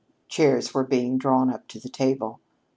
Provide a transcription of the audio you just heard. Chairs were being drawn up to the table.